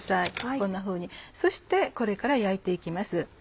こんなふうにそしてこれから焼いて行きます。